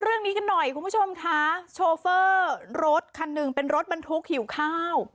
เรื่องนี้กันหน่อยคุณผู้ชมค่ะโชเฟอร์รถคันหนึ่งเป็นรถบรรทุกหิวข้าว